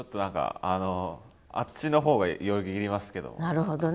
なるほどね。